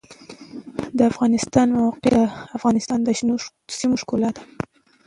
د افغانستان د موقعیت د افغانستان د شنو سیمو ښکلا ده.